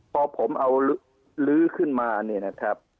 พอผมเอาลื้อขึ้นมาเนี่ยนะครับ